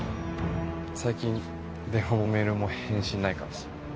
最近電話もメールも返信ないからさ。